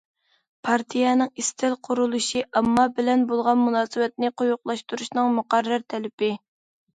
پارتىيەنىڭ ئىستىل قۇرۇلۇشى ئامما بىلەن بولغان مۇناسىۋەتنى قويۇقلاشتۇرۇشنىڭ مۇقەررەر تەلىپى.